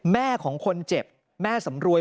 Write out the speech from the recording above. แม่ของคนเจ็บแม่สำรวย